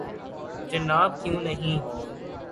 جناب کیوں نہیں